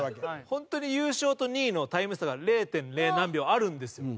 本当に優勝と２位のタイム差が０．０何秒、あるんですよ。